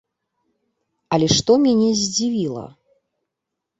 Але што мяне здзівіла!